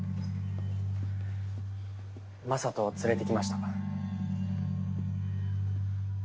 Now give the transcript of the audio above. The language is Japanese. ・雅人を連れてきました。